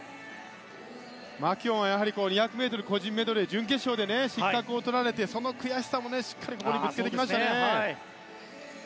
マキュオンは２００ｍ個人メドレーの準決勝で失格を取られてその悔しさをしっかりここにぶつけてきましたね。